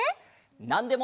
「なんでも」。